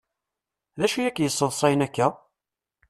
D acu i k-yesseḍsayen akka?